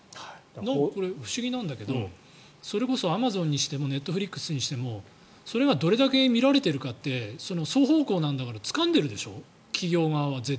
不思議なんだけどそれこそアマゾンにしてもネットフリックスにしてもそれがどれだけ見られているかって双方向なんだからつかんでいるでしょ、企業側は。